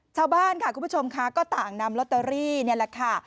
ชาวบ้านค่ะคุณผู้ชมค่ะก็ต่างนำลอตเตอรี่นี่แหละค่ะ